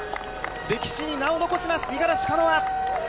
歴史に名を残します、五十嵐カノア。